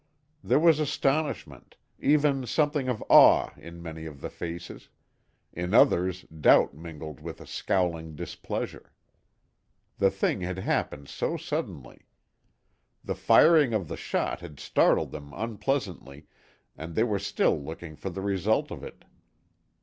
There was astonishment, even something of awe in many of the faces; in others doubt mingled with a scowling displeasure. The thing had happened so suddenly. The firing of the shot had startled them unpleasantly, and they were still looking for the result of it.